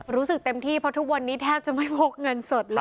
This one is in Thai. รู้สึกเต็มที่เพราะทุกวันนี้แทบจะไม่พกเงินสดเลย